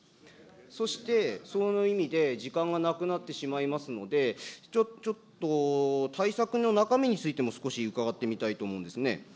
そして、そういう意味で時間がなくなってしまいますので、ちょっと対策の中身についても、少し伺ってみたいと思うんですね。